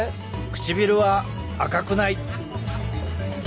唇は赤くない。